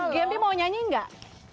gempi mau nyanyi nggak